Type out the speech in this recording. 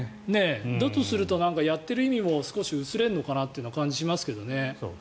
だとするとやっている意味も少し薄れるのかなって感じがしますけどね。